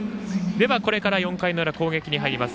では、これから４回の裏、攻撃に入ります。